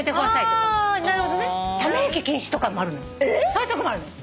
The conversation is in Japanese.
そういうとこもあるの。